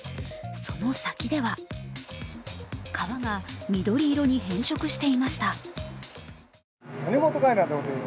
その先では川が緑色に変色していました。